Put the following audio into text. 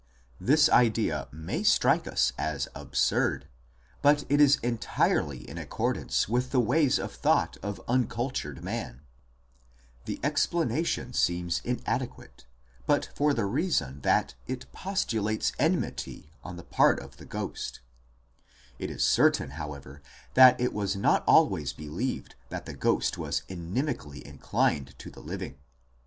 This idea may strike us as absurd, but it is entirely in accordance with the ways of thought of uncultured man. The explanation seems inadequate, but for the reason that it postulates enmity on the part of the ghost ; it is certain, however, that it was not always believed that the ghost was inimically inclined to the living.